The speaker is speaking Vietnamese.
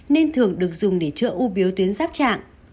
nên thường được dùng để chữa u bướu tuyến ráp trạng